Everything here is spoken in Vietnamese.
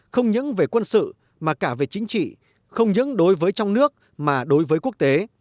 không những về quân sự mà cả về chính trị không những đối với trong nước mà đối với quốc tế